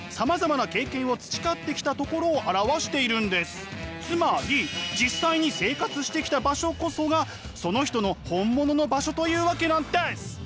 本物の場所というのはつまり実際に生活してきた場所こそがその人の本物の場所というわけなんです！